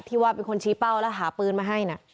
ว่าเป็นคนชี้เป้าแล้วหาปืนมาให้นะ